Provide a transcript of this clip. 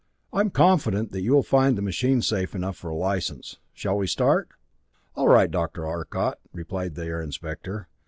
I'm confident that you'll find the machine safe enough for a license. Shall we start?" "All right, Dr. Arcot," replied the Air Inspector.